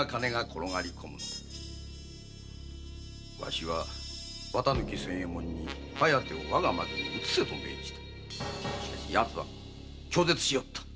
わしは綿貫仙右衛門に「疾風」を我が牧に移せと命じたのだがヤツは拒絶しおった。